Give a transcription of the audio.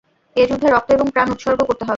এ যুদ্ধে রক্ত এবং প্রাণ উৎসর্গ করতে হবে।